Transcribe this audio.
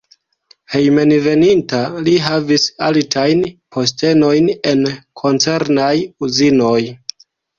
Hejmenveninta li havis altajn postenojn en koncernaj uzinoj.